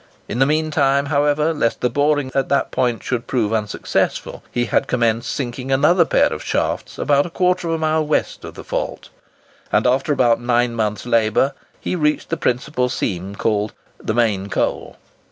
In the mean time, however, lest the boring at that point should prove unsuccessful, he had commenced sinking another pair of shafts about a quarter of a mile west of the "fault;" and after about nine months' labour he reached the principal seam, called the "main coal."